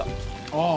ああ。